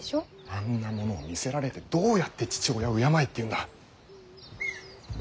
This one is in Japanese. あんなものを見せられてどうやって父親を敬えっていうんだ。